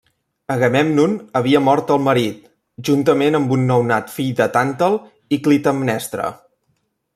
Agamèmnon havia mort el marit, juntament amb un nounat fill de Tàntal i Clitemnestra.